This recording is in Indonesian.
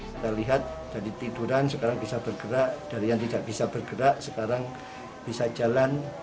kita lihat dari tiduran sekarang bisa bergerak dari yang tidak bisa bergerak sekarang bisa jalan